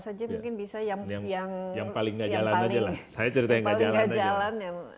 saya cerita yang gak jalan aja